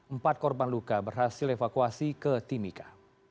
empat korban luka berhasil evakuasi ke timika